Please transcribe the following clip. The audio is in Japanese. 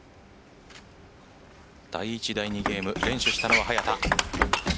第１、第２ゲーム連取したのは早田。